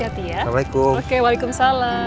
assalamualaikum warahmatullahi wabarakatuh